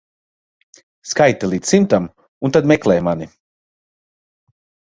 Skaiti līdz simtam un tad meklē mani.